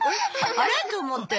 あれ？と思って。